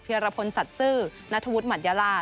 เพียรพลสัตซึนัทธวุธหมัดยารา